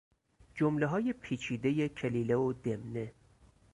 جملههای پیچیدی کلیله و دمنه